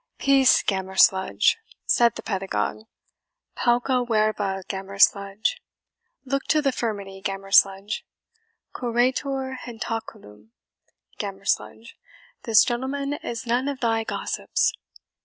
"Peace, Gammer Sludge!" said the pedagogue; "PAUCA VERBA, Gammer Sludge; look to the furmity, Gammer Sludge; CURETUR JENTACULUM, Gammer Sludge; this gentleman is none of thy gossips."